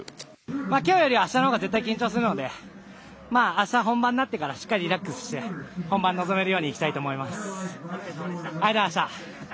きょうよりあしたのほうが絶対緊張するのでまああした本番になってからしっかりリラックスして本番に臨めるように行きたいと思います。